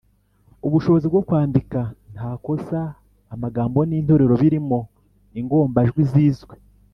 Ubushobozi bwo kwandika nta kosa, amagambo n’interuro birimo ingombajwi zizwe.